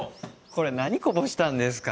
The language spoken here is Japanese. これ何こぼしたんですか？